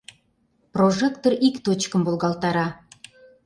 Прожектор ик точкым волгалтара.